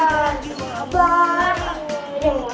bangun soal subuh